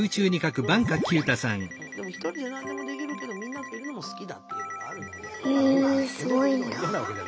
でもひとりで何でもできるけどみんなといるのも好きだっていうのがあるので。